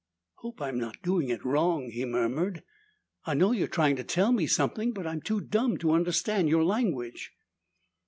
"Hope I'm not doing it wrong," he murmured. "I know you're trying to tell me something, but I'm too dumb to understand your language."